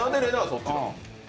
そっちなの？